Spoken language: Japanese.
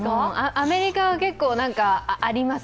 アメリカは結構、あります。